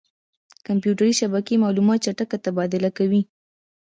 کمپیوټر شبکې معلومات چټک تبادله کوي.